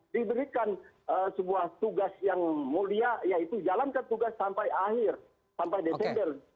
diberikan sebuah tugas yang mulia yaitu jalankan tugas sampai akhir sampai desember